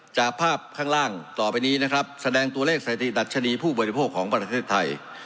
จากภาพข้างล่างต่อไปนี้นะครับแสดงตัวเลขสถิตัชนีผู้บริโภคของประเทศไทย